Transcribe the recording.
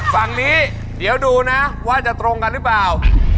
ฝั่งนี้เดี๋ยวดูนะว่าจะตรงกันหรือเปล่า